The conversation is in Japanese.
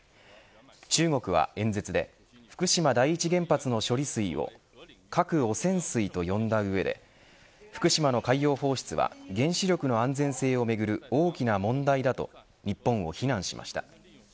中国は演説で福島第一原発の処理水を核汚染水と呼んだ上で福島の海洋放出は原子力の安全性をめぐる大きな問題だと日本を非難しました。